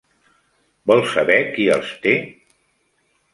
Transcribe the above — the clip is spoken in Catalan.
Vols saber qui els té?